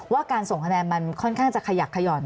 การส่งคะแนนมันค่อนข้างจะขยักขย่อน